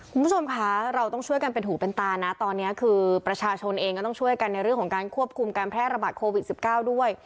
คุณผู้ชมคะเราต้องช่วยกันเป็นหูเป็นตานะตอนนี้คือประชาชนเองก็ต้องช่วยกันในเรื่องของการควบคุมการแพร่ระบาดโควิด๑๙ด้วย